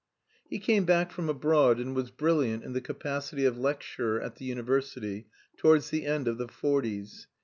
He came back from abroad and was brilliant in the capacity of lecturer at the university, towards the end of the forties.